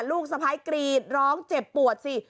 ลูกสะพ้ายกรีดร้องเจ็บปวดสิ